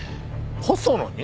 細野に？